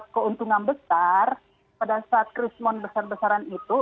keuntungan besar pada saat krisis monitor besar besaran itu